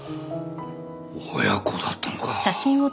親子だったのか！